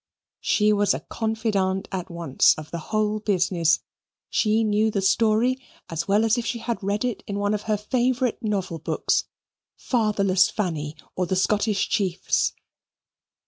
She was a confidante at once of the whole business. She knew the story as well as if she had read it in one of her favourite novel books Fatherless Fanny, or the Scottish Chiefs.